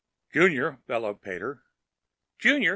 _ "Junior!" bellowed Pater. "_Junior!